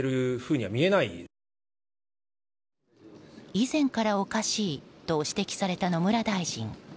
以前からおかしいと指摘された野村大臣。